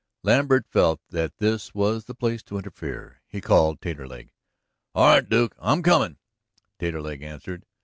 Lambert felt that this was the place to interfere. He called Taterleg. "All right, Duke; I'm a comin'," Taterleg answered.